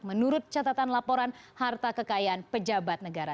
menurut catatan laporan harta kekayaan pejabat negara